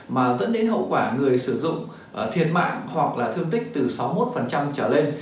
mà dẫn đến hậu quả người sử dụng thiệt mạng hoặc là thương tích từ sáu mươi một trở lên